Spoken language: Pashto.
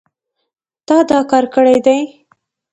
تا دا کار کړی دی